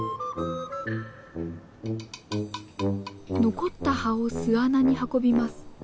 残った葉を巣穴に運びます。